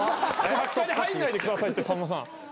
入んないでくださいってさんまさん。